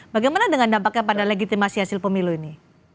bagaimana dengan dampaknya pada legitimasi hasil pemilu ini